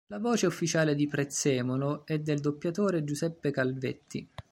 La voce ufficiale di Prezzemolo è del doppiatore Giuseppe Calvetti.